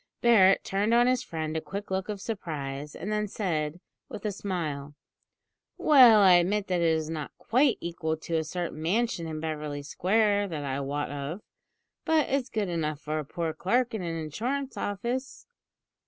Barret turned on his friend a quick look of surprise, and then said, with a smile: "Well, I admit that it is not quite equal to a certain mansion in Beverly Square that I wot of, but it's good enough for a poor clerk in an insurance office."